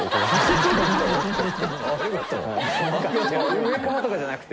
上からとかじゃなくて。